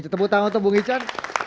temu tangan untuk bu gijan